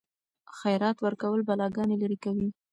خیرات ورکول بلاګانې لیرې کوي.